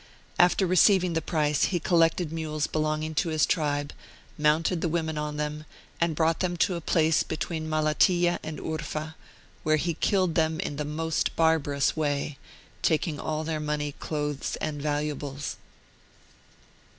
After receiving the price, he collected mules belonging to his tribe, mounted the women on them, and brought them to a place between Malatiya and Urfa, where he killed them in the most barbarous way, taking all their money, clothes, and valuables.